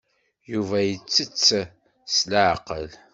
Yuba ittett s leɛqel.